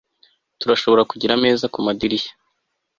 turashobora kugira ameza kumadirishya